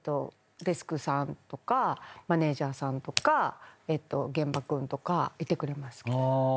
デスクさんとかマネジャーさんとか現場君とかいてくれます。